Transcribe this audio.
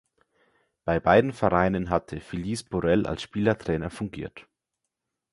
Bei beiden Vereinen hatte Felice Borel als Spielertrainer fungiert.